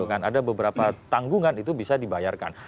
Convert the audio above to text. ada beberapa tanggungan itu bisa dibayarkan